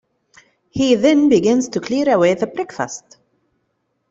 He then begins to clear away the breakfast.